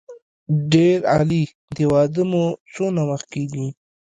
ډېر عالي د واده مو څونه وخت کېږي.